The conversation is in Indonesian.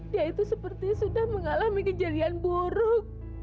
dia itu sepertinya sudah mengalami kejadian buruk